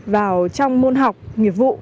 vào trong môn học nghiệp vụ